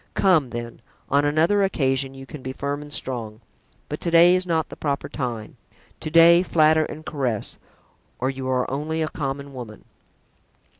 Come, then, on another occasion you can be firm and strong; but to day is not the proper time; to day, flatter and caress, or you are only a common woman."